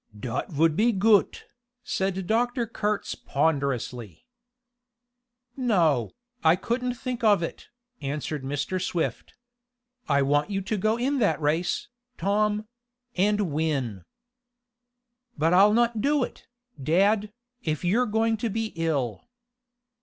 "Dot vould he goot," said Dr. Kurtz ponderously. "No, I couldn't think of it," answered Mr. Swift. "I want you to go in that race, Tom and win!" "But I'll not do it, dad, if you're going to be ill."